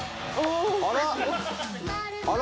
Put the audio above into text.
あら！